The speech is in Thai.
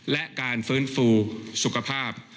และการฟื้นฟูสุขภาพ